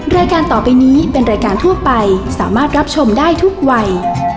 รายการต่อไปนี้เป็นรายการทั่วไปสามารถรับชมได้ทุกวัย